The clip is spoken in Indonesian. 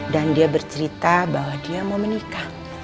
dan dia bercerita bahwa dia mau menikah